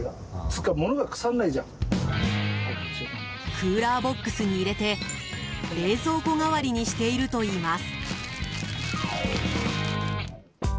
クーラーボックスに入れて冷蔵庫代わりにしているといいます。